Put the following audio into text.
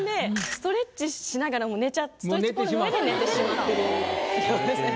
ストレッチしながら寝ちゃってストレッチポールの上で寝てしまってる。